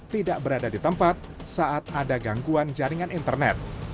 tidak berada di tempat saat ada gangguan jaringan internet